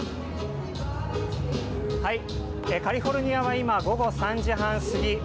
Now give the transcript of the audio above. カリフォルニアは今、午後３時半過ぎ。